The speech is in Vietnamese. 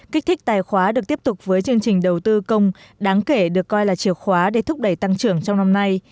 kích thích tài khóa được tiếp tục với chương trình đầu tư công đáng kể được coi là chiều khóa để thúc đẩy tăng trưởng trong năm nay